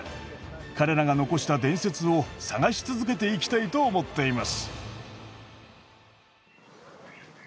彼らが残した伝説を探し続けていきたいと思っています。